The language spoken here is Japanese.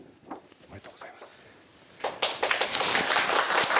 ありがとうございます。